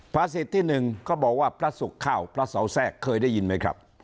ภาษิตที่๑ก็บอกว่าพระสุขข้าวพระเสาแทรกเคยได้ยินไหมครับ